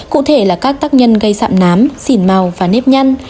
cụ thể là các tác nhân gây sạm nám xỉn màu và nếp nhăn